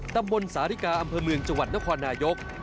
ตำบนสาธิกาอำเภอเมืองจนครนายก